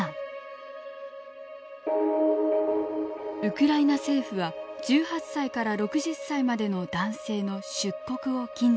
ウクライナ政府は１８歳から６０歳までの男性の出国を禁じました。